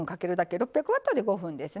６００ワットで５分ですね。